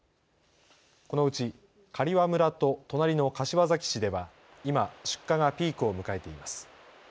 このうち刈羽村と隣の柏崎市では今、出荷がピークを迎えています。